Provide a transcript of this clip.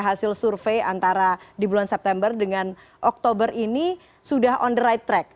hasil survei antara di bulan september dengan oktober ini sudah on the right track